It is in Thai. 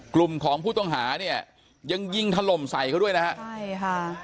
กลุ่มของผู้ต้องหาเนี่ยยังยิงถล่มใส่เขาด้วยนะฮะใช่ค่ะ